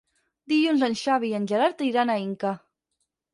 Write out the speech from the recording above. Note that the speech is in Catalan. Dilluns en Xavi i en Gerard iran a Inca.